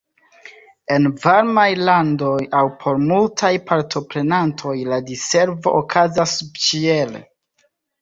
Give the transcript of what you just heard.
En varmaj landoj aŭ por multaj partoprenantoj la diservo okazas subĉiele.